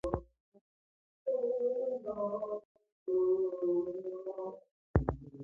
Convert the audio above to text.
Not without reason has he been compared with Cardinal Wolsey.